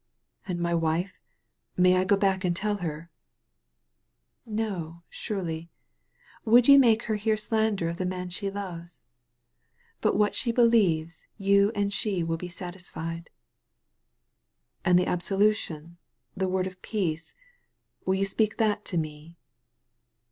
"And my wife? May I go back and tell her?" "No, surely. Would you make her hear slander of the man she loves? Be what she believes you and she will be satisfied." "And the absolution, the word of peace? Will you speak that to me?"